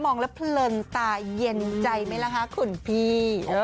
มองแล้วเพลินตาเย็นใจไหมล่ะคะคุณพี่